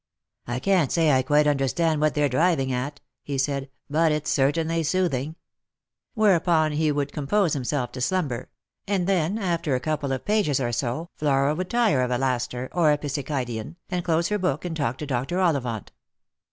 " I can't say I quite understand what they're driving at," he said ;" but it's certainly soothing." Whereupon he would compose himself to slumber ; and then, after a couple of pages or so, Flora would tire of Alastor, or Epipsychidion, and close her book, and talk to Dr. Ollivant.